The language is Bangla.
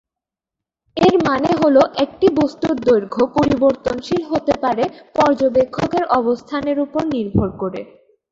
এর মানে হল একটি বস্তুর দৈর্ঘ্য পরিবর্তনশীল হতে পারে পর্যবেক্ষকের অবস্থানের উপর নির্ভর করে।